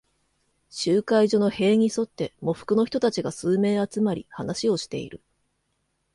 集会所の塀に沿って、喪服の人たちが数名集まり、話をしている。